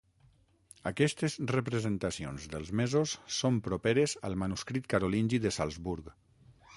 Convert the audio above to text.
Aquestes representacions dels mesos són properes al manuscrit carolingi de Salzburg.